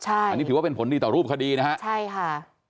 อันนี้ถือว่าเป็นผลดีต่อรูปคดีนะฮะใช่ค่ะ